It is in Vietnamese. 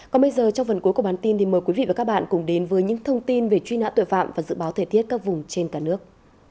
còn bây giờ trong phần cuối của bản tin thì mời quý vị và các bạn cùng đến với những thông tin về truy nã tội phạm và dự báo thời tiết các vùng trên cả nước